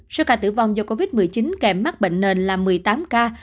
số ca tử vong do covid một mươi chín kèm mắc bệnh nền là một mươi tám ca